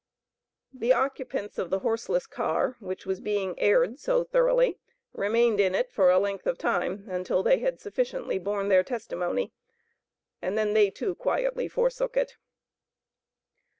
The occupants of the horseless car, which was being aired so thoroughly, remained in it for a length of time, until they had sufficiently borne their testimony, and they too quietly forsook it.